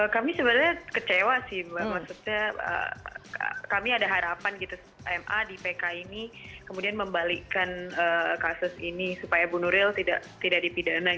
kami sebenarnya kecewa sih mbak maksudnya kami ada harapan gitu ma di pk ini kemudian membalikkan kasus ini supaya bu nuril tidak dipidana